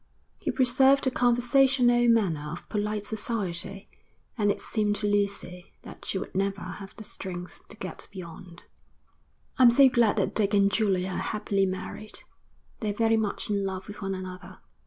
He preserved the conversational manner of polite society, and it seemed to Lucy that she would never have the strength to get beyond. 'I'm so glad that Dick and Julia are happily married. They're very much in love with one another.'